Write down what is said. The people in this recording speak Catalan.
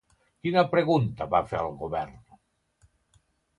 Quina pregunta va fer al govern?